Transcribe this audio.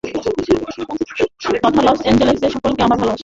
তথা লস এঞ্জেলেসের সকলকে আমার ভালবাসা।